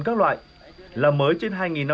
các loại làm mới trên